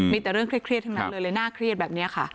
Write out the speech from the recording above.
มีแต่เรื่องเครียดทั้งนั้นเลยเลยน่าเครียดแบบนี้ค่ะ